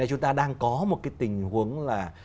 chúng ta đang có một tình huống là